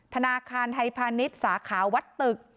ธนาคารไทยพาณิชย์สาขาวัดตึก